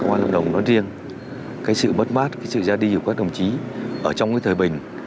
công an lâm đồng nói riêng cái sự mất mát cái sự ra đi của các đồng chí ở trong cái thời bình